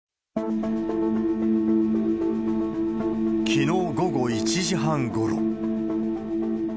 きのう午後１時半ごろ。